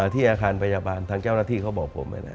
ที่อาคารพยาบาลทางเจ้าหน้าที่เขาบอกผม